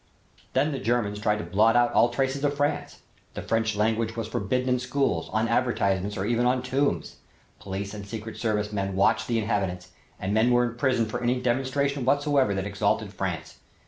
Then the Germans tried to blot out all traces of France. The French language was forbidden in schools, on advertisements or even on tombs. Police and secret service men watched the inhabitants and men were imprisoned for any demonstration whatsoever that exalted France.